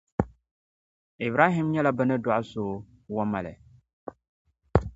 Ibrahim nyɛla bɛ ni daa dɔɣi so Wamale.